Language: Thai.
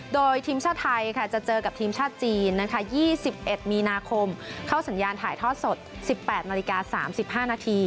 โดยทีมชาติไทยจะเจอกับทีมชาติจีน๒๑มีนาคมเข้าสัญญาณถ่ายทอดสด๑๘นาฬิกา๓๕นาที